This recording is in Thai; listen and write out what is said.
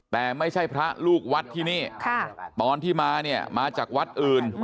แต่ไม่ใช่พระลูกวัดที่นี่ตอนที่มาเนี่ยมาจากวัดอื่น